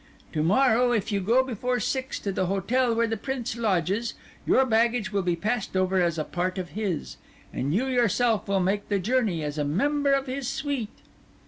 To morrow, if you go before six to the hotel where the Prince lodges, your baggage will be passed over as a part of his, and you yourself will make the journey as a member of his suite."